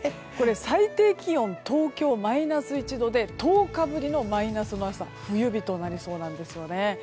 最低気温、東京がマイナス１度で１０日ぶりの冬日となりそうなんです。